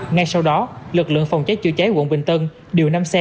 ngay sau đó lực lượng phòng cháy chữa cháy quận bình tân điều năm xe